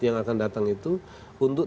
yang akan datang itu untuk